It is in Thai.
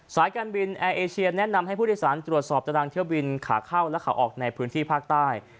สายการบินแอร์เอเชียแนะนำให้ผู้โดยสารตรวจสอบตารางเที่ยวบินขาเข้าและขาออกในพื้นที่ภาคใต้